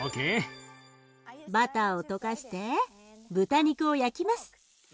バターを溶かして豚肉を焼きます。